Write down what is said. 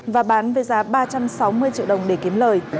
và bán với giá ba trăm sáu mươi triệu đồng để kiếm lời